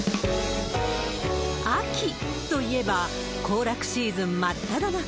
秋といえば、行楽シーズン真っただ中。